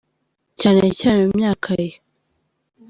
cyane cyane mu myaka ya.